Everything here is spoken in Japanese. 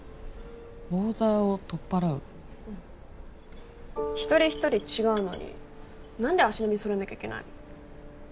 ボーダーを取っ払う一人一人違うのに何で足並み揃えなきゃいけないの？